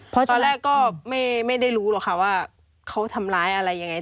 เพราะตอนแรกก็ไม่ได้รู้หรอกค่ะว่าเขาทำร้ายอะไรยังไง